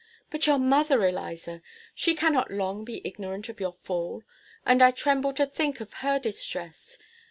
But your mother, Eliza! She cannot long be ignorant of your fall; and I tremble to think of her distress.